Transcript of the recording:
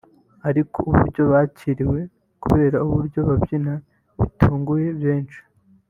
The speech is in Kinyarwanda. ariko uburyo bakiriwe kubera uburyo babyina bitunguye benshi